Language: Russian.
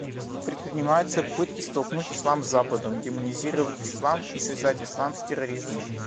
Предпринимаются попытки столкнуть ислам с Западом, демонизировать ислам и связать ислам с терроризмом.